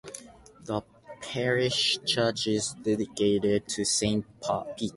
The parish church is dedicated to Saint Peter.